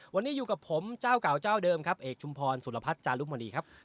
วันนี้อยู่กับผมเจ้าเก่าเจ้าเดิมครับเอกชุมพรสุรพัฒน์จารุมณีครับ